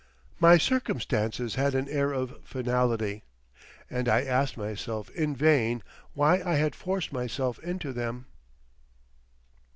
My circumstances had an air of finality, and I asked myself in vain why I had forced myself into them.